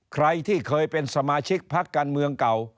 ใครที่เคยเป็นสมาชิกพักการเมืองเก่า